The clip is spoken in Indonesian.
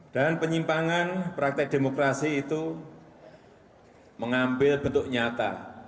dan penyimpangan praktek demokrasi itu mengambil bentuk nyata